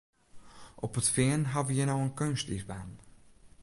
Op it Fean ha we hjir no in keunstiisbaan.